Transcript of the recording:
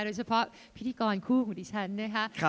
โดยเฉพาะพิธีกรคู่ของดิฉันนะคะ